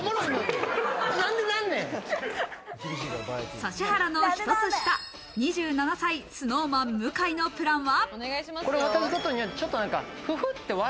指原の１つ下２７歳、ＳｎｏｗＭａｎ・向井のプランは。